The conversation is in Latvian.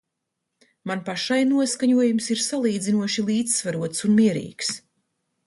Man pašai noskaņojums ir salīdzinoši līdzsvarots un mierīgs.